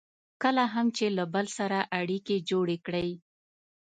کله هم چې له بل سره اړیکې جوړې کړئ.